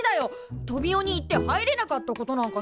トビオに行って入れなかったことなんかないもん。